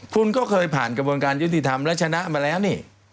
คุณก็เคยผ่านกระบวนการยุติธรรมและชนะมาแล้วนี่